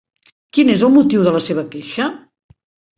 Quin és el motiu de la seva queixa?